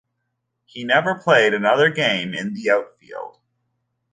He never played another game in the outfield.